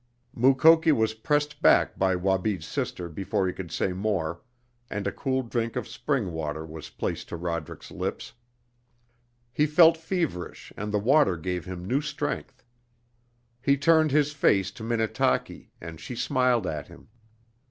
Mukoki was pressed back by Wabi's sister before he could say more, and a cool drink of spring water was placed to Roderick's lips. He felt feverish and the water gave him new strength. He turned his face to Minnetaki, and she smiled at him.